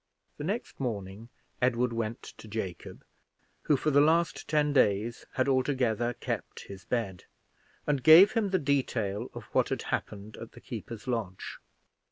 The next morning Edward went to Jacob, who for the last ten days had altogether kept his bed, and gave him the detail of what had happened at the keeper's lodge.